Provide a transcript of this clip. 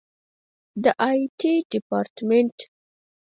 د آی ټي ډیپارټمنټ